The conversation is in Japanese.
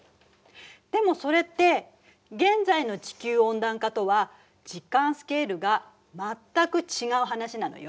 でもそれって現在の地球温暖化とは時間スケールが全く違う話なのよ。